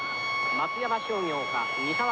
松山商業か三沢高校か。